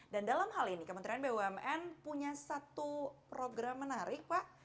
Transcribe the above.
dan dalam hal ini kementerian bumn punya satu program menarik pak